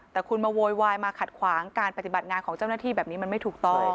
แต่คุณมาโวยวายมาขัดขวางการปฏิบัติงานของเจ้าหน้าที่แบบนี้มันไม่ถูกต้อง